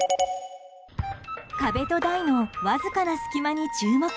壁と台のわずかな隙間に注目。